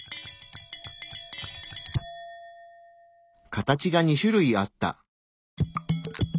形が２種類あった。